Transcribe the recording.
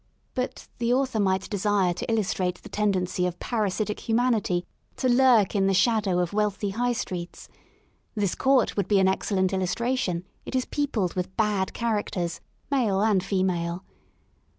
But the author might desire to illustrate the tendency of parasitic humanity to lurk in the shadow of wealthy High Streets. — This court would be an excellent illus tration: it is peopled with ^^bad characters," male and female.